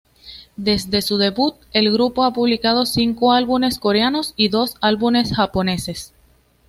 Desde su debut, el grupo ha publicado cinco álbumes coreanos y dos álbumes japoneses.